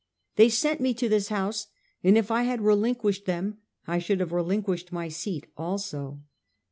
They sent me to this House, and if I had ■relinquished them I should have relinquished my seat also.